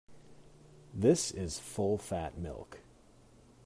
This is full-fat milk.